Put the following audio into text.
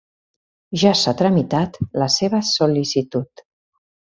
Ja s'ha tramitat la seva sol·licitud.